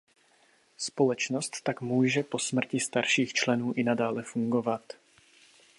Společnost tak může po smrti starších členů i nadále fungovat.